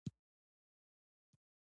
بیکاري کار غواړي